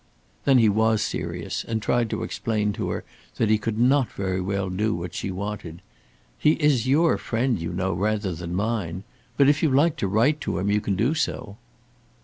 Then he was serious, and tried to explain to her that he could not very well do what she wanted. "He is your friend you know rather than mine; but if you like to write to him you can do so."